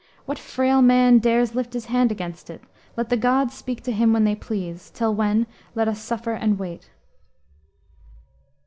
What frail man Dares lift his hand against it? Let the gods Speak to him when they please; till when, let us Suffer and wait."